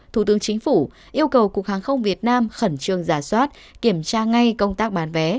thủ tướng chính phủ yêu cầu cục hàng không việt nam khẩn trương giả soát kiểm tra ngay công tác bán vé